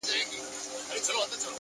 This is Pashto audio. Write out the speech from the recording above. فکرونه راتلونکی جوړوي!